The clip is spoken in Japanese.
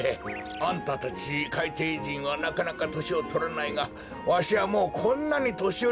あんたたちかいていじんはなかなかとしをとらないがわしはもうこんなにとしよりになってしもうた。